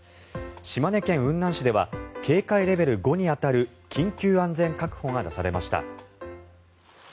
島根県雲南市では警戒レベル５に当たる緊急安全確保が出されました。